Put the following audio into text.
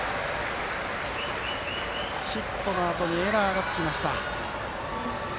ヒットのあとにエラーがつきました。